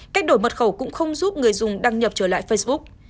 cách đổi mật khẩu cũng không giúp người dùng đăng nhập trở lại facebook